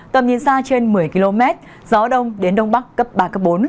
tầm nhìn xa trên một mươi km gió đông đến đông bắc cấp ba cấp bốn